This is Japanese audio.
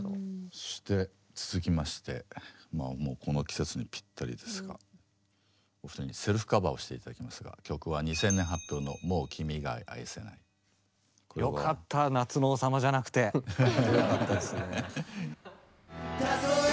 そして続きましてまあもうこの季節にぴったりですがお二人にセルフカバーをして頂きますが曲は２０００年発表のよかった「夏の王様」じゃなくて。フフッほんとよかったですねえ。